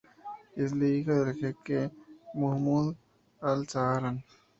Es la hija del jeque Mahmoud Al-Zahran.